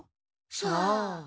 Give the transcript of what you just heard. さあ？